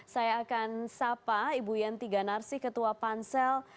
saya akan sapa ibuyantiga narsi ketua pansel